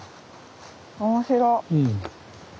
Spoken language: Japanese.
おもしろ。